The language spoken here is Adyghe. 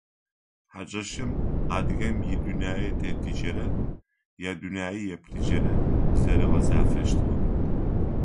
Хьакӏэщым адыгэм идунэететыкӏэрэ идунэееплъыкӏэрэ зэригъэзафэщтыгъэ.